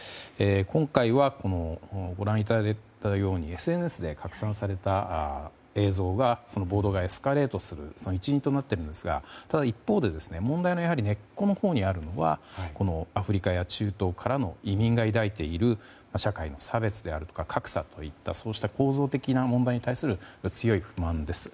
今回は、ご覧いただいたようにＳＮＳで拡散された映像がその暴動がエスカレートするその一因となっているんですがただ、一方で問題の根っこのほうにあるのはアフリカや中東からの移民が抱いている社会の差別であるとか格差といったそうした構造的な問題に関する強い不満です。